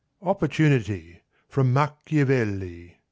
OPPORTUNITY (from Machiavelli.)